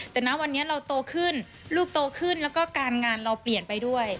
แต่นะวันนี้เราโตขึ้นลูกโตขึ้นแล้วก็การงานเราเปลี่ยนไปด้วย